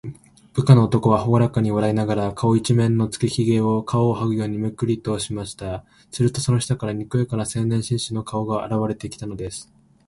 部下の男は、ほがらかに笑いながら、顔いちめんのつけひげを、皮をはぐようにめくりとりました。すると、その下から、にこやかな青年紳士の顔があらわれてきたのです。